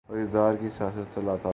وہ اقتدار کی سیاست سے لاتعلق ہے۔